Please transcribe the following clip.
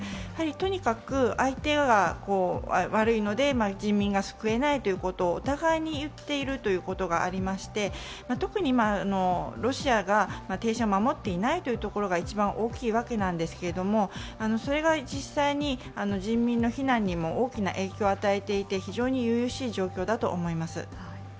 とにかく相手が悪いので、人民が救えないということをお互いに言っているということがありまして、特にロシアが停戦を守ってないというところが大きいわけですけどそれが実際に人民の避難にも大きな影響を与えていて、非常にゆゆしい状況だと思います。